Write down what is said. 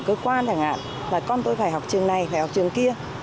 cơ quan chẳng hạn là con tôi phải học trường này phải học trường kia